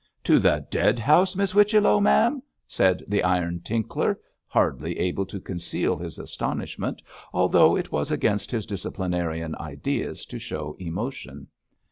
'To the dead house, Miss Whichello, ma'am!' said the iron Tinkler, hardly able to conceal his astonishment, although it was against his disciplinarian ideas to show emotion.